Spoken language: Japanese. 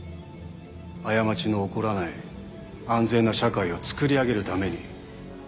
過ちの起こらない安全な社会をつくり上げるために。